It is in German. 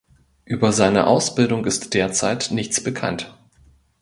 Über seine Ausbildung ist derzeit nichts bekannt.